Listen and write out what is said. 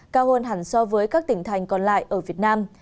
cao hơn hẳn so với các tỉnh thành còn lại ở việt nam